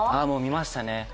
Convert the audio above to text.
もう見ましたね。